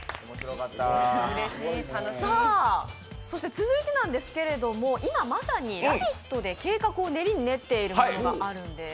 続いてですけど、今まさに「ラヴィット！」で計画を練りに練っているものがあるんです。